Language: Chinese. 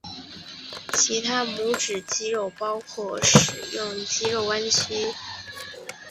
其他拇指肌肉包括可使拇指弯曲的屈拇短肌和使拇指向外张开的展拇短肌。